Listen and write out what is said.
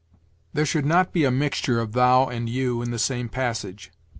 "There should not be a mixture of 'thou' and 'you' in the same passage.